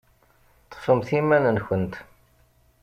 Ṭṭfemt iman-nkent.